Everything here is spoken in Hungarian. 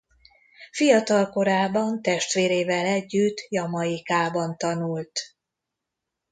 Fiatalkorában testvérével együtt Jamaicában tanult.